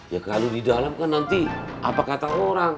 ya kalau di dalam kan nanti apa kata orang